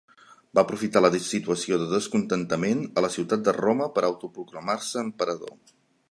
Va aprofitar la situació de descontentament a la ciutat de Roma per autoproclamar-se emperador.